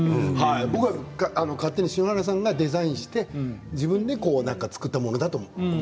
僕は勝手に篠原さんがデザインして自分で作ったもの